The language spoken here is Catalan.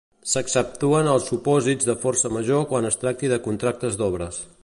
S'exceptuen els supòsits de força major quan es tracti de contractes d'obres.